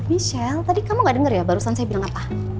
di shell tadi kamu gak denger ya barusan saya bilang apa